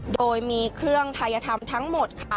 โดยมีเครื่องทายธรรมทั้งหมดค่ะ